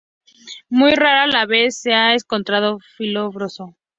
Muy rara vez se ha encontrado fibroso.